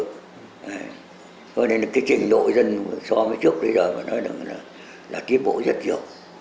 thôi nên cái trình đội dân so với trước đây rồi mà nói là tiến bộ rất nhiều